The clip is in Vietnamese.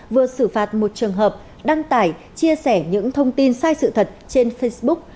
vừa xử phạt một trường hợp đăng tải chia sẻ những thông tin sai sự thật trên facebook